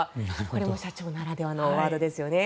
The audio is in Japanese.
これも社長ならではのワードですよね。